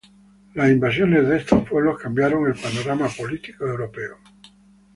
Las invasiones de estos pueblos cambiaron el panorama político europeo.